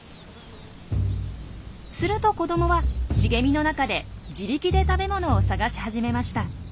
すると子どもは茂みの中で自力で食べ物を探し始めました。